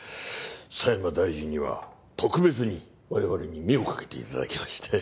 佐山大臣には特別に我々に目をかけて頂きまして。